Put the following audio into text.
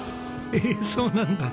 ええそうなんだ。